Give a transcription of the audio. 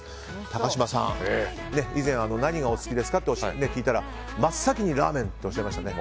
高嶋さん、以前何がお好きですかと聞いたら、真っ先にラーメンとおっしゃってましたね。